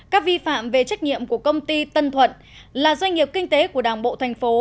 các vi phạm về trách nhiệm của công ty tân thuận là doanh nghiệp kinh tế của đảng bộ thành phố